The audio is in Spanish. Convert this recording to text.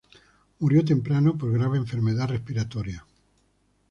Murió temprano por grave enfermedad respiratoria.